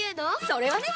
それはね！